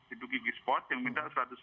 itu kikisport yang minta satu ratus lima